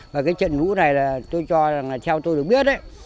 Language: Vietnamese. và cái trận lũ này là tôi cho rằng là theo tôi được biết đấy